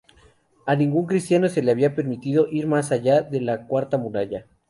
A ningún cristiano se le había permitido ir más allá de la cuarta muralla.